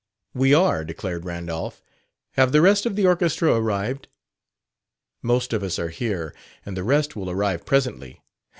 "We are," declared Randolph. "Have the rest of the orchestra arrived?" "Most of us are here, and the rest will arrive presently.